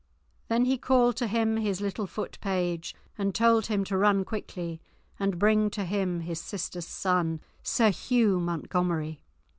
Then he called to him his little foot page and told him to run quickly and bring to him his sister's son, Sir Hugh Montgomery.